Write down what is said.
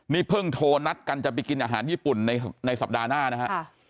นี่เพิ่งโทรนัดกันจะไปกินอาหารญี่ปุ่นในสัปดาห์หน้านะฮะ